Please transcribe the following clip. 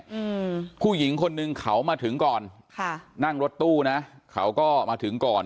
อืมผู้หญิงคนหนึ่งเขามาถึงก่อนค่ะนั่งรถตู้นะเขาก็มาถึงก่อน